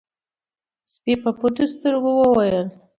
سپي په پټو سترګو وويل: